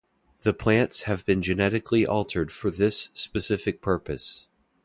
The plants have been genetically altered for this specific purpose.